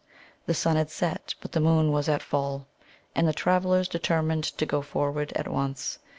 The sun had set, but the moon was at full, and the travellers determined to go forward at once.